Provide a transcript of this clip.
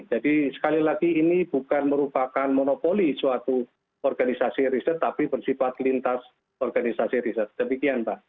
jadi sekali lagi ini bukan merupakan monopoli suatu organisasi riset tapi bersifat lintas organisasi riset demikian pak